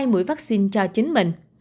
hai mũi vaccine cho chính mình